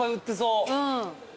うん。